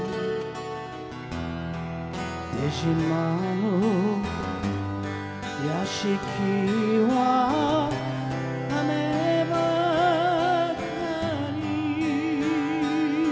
「出島の屋敷は雨ばかり」